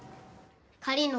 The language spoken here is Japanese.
狩野